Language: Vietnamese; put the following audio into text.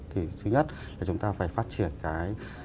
thì thứ nhất là chúng ta phải phát triển cái